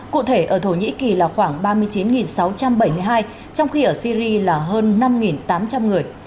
cụ thể ở thổ nhĩ kỳ là khoảng ba mươi chín sáu trăm bảy mươi hai trong khi ở syri là hơn năm tám trăm linh người